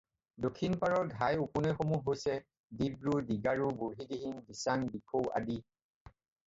দক্ষিণ পাৰৰ ঘাই উপনৈসমূহ হৈছৈ- ডিব্ৰু, ডিগাৰু, বুঢ়ীদিহিং, দিছাং, দিখৌ আদি।